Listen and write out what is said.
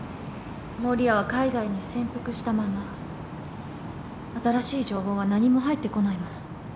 守谷は海外に潜伏したまま新しい情報は何も入ってこないもの。